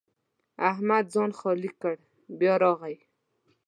احمد ځان خالي کړ؛ بیا راغی.